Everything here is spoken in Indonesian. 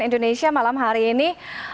indonesia malam hari ini